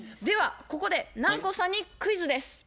ではここで南光さんにクイズです！